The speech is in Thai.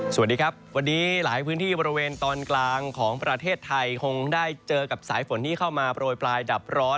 สวัสดีครับวันนี้หลายพื้นที่บริเวณตอนกลางของประเทศไทยคงได้เจอกับสายฝนที่เข้ามาโปรยปลายดับร้อน